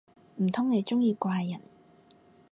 唔通你鍾意怪人